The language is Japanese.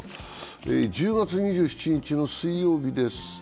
１０月２７日の水曜日です。